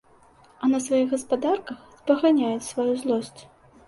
А на сваіх гаспадарах спаганяюць сваю злосць.